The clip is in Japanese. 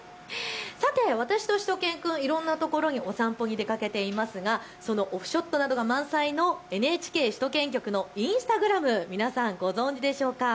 さて私としゅと犬くん、いろんなところにお散歩に出かけていますがオフショットなどが満載のＮＨＫ首都圏局のインスタグラム皆さんご存じでしょうか。